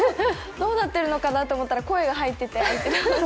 どうなってるのかなと思ったら声が入ってて。